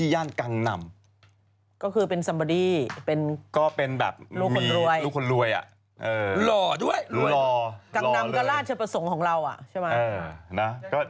อยากเห็นหน้าจริงเลย